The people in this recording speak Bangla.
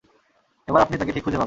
এবার আপনি তাকে ঠিক খুঁজে পাবেন।